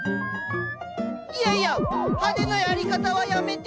いやいや派手なやり方はやめて！